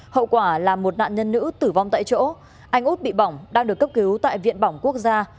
hậu quả là một nạn nhân nữ tử vong tại chỗ anh út bị bỏng đang được cấp cứu tại viện bỏng quốc gia